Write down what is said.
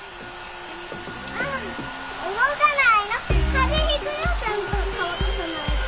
風邪ひくよちゃんと乾かさないと。